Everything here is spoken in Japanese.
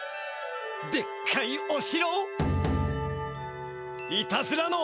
でっかいおしろ！